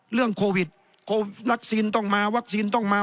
เรื่องโควิดวัคซีนต้องมาวัคซีนต้องมา